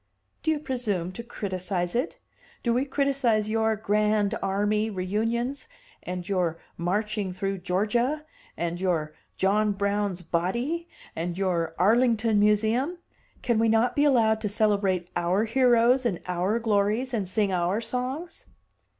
"Do you presume to criticise it? Do we criticise your Grand Army reunions, and your 'Marching through Georgia,' and your 'John Brown's Body,' and your Arlington Museum? Can we not be allowed to celebrate our heroes and our glories and sing our songs?"